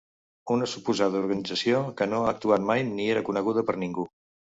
Una suposada organització que no ha actuat mai ni era coneguda per ningú.